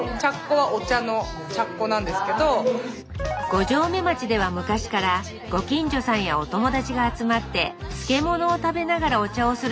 五城目町では昔からご近所さんやお友達が集まって漬物を食べながらお茶をする習慣があるそう